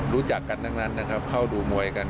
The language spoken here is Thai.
รู้จักกันทั้งนั้นนะครับเข้าดูมวยกัน